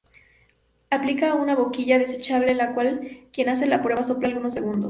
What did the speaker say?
Aplica una boquilla desechable, en la cual quien hace la prueba sopla algunos segundos.